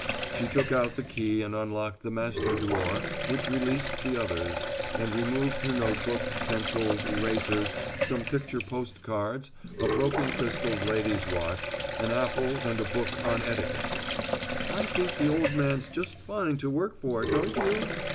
She took out the key and unlocked the master drawer, which released the others, and removed her notebook, pencils, erasers, some picture postal cards, a broken crystalled lady's watch, an apple and a book on etiquette. "I think the old man's just fine to work for, don't you!"